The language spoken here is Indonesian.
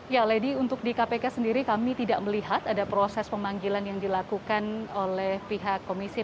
ya lady untuk di kpk sendiri kami tidak melihat ada proses pemanggilan yang dilakukan oleh pihak komisi tiga